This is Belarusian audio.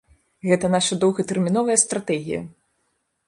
Гэта наша доўгатэрміновая стратэгія.